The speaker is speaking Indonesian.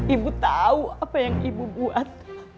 ibu tahu apa yang ibu buat